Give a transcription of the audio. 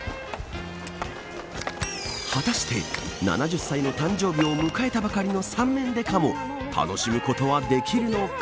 果たして７０歳の誕生日を迎えたばかりの三面刑事も楽しむことはできるのか。